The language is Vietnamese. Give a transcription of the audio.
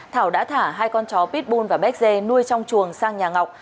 thảo đã thả hai con chó pitbull và béc dê nuôi trong chuồng sang nhà ngọc